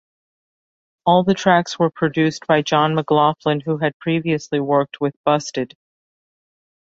All the tracks were produced by John McLaughlin, who had previously worked with Busted.